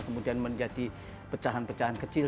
kemudian menjadi pecahan pecahan kecil